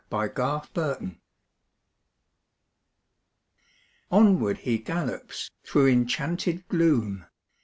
KNIGHT ERRANT Onward he gallops through enchanted gloom.